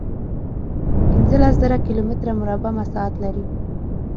پنځلس زره کیلومتره مربع مساحت لري.